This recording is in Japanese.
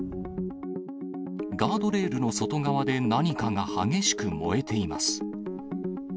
ガードレールの外側で何かが激しく燃えています。